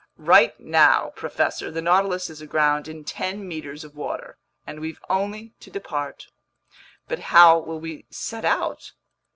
"Right now, professor, the Nautilus is aground in ten meters of water, and we've only to depart." "But how will we set out?"